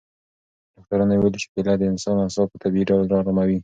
ډاکټرانو ویلي چې کیله د انسان اعصاب په طبیعي ډول اراموي.